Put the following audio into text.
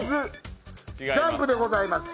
ジャンプでございます。